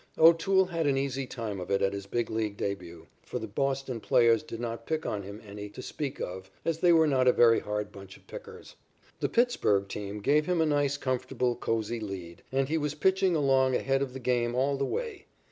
O'Toole had an easy time of it at his Big League début, for the Boston players did not pick on him any to speak of, as they were not a very hard bunch of pickers. The Pittsburg team gave him a nice comfortable, cosy lead, and he was pitching along ahead of the game all the way.